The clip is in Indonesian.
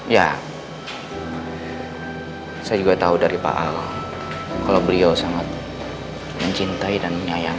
ya saya juga tahu dari pak ahok kalau beliau sangat mencintai dan menyayangkan